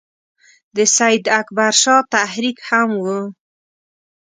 د سید اکبر شاه تحریک هم وو.